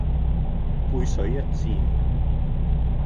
背水一戰